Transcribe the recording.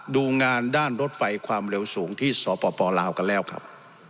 ดูงานด้านรถไฟความเร็วสูงที่สปลาวกันแล้วครับ